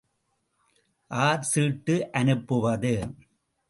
R சீட்டு அனுப்புவது?